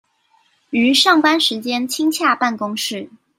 於上班時間親洽辦公室